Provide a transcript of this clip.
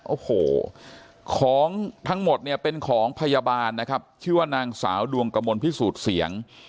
โอ้โหของทั้งหมดเนี่ยเป็นของพยาบาลนะครับชื่อว่านางสาวดวงกระมวลพิสูจน์เสียง